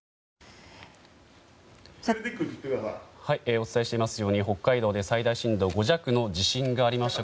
お伝えしていますように北海道で最大震度５弱の地震がありました。